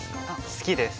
好きです。